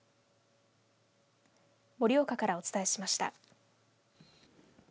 盛岡からお伝えしました。